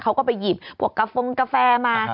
เขาก็ไปหยิบพวกกระฟงกาแฟมา